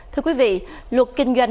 thưa quý vị luật kinh doanh